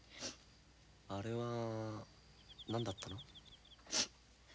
あれは何だったの？